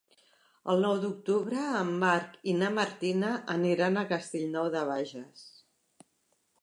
El nou d'octubre en Marc i na Martina aniran a Castellnou de Bages.